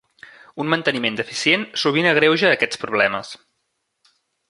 Un manteniment deficient sovint agreuja aquests problemes.